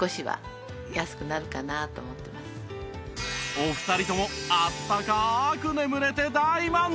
お二人ともあったかく眠れて大満足！